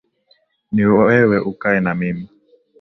Ni wewe ukae na mimi